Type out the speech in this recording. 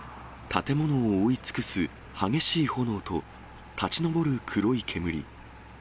建物を覆い尽くす激しい炎と立ち上る黒い煙。